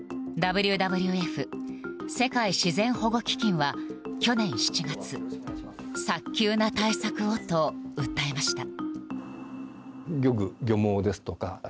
ＷＷＦ・世界自然保護基金は去年７月「早急な対策を」と訴えました。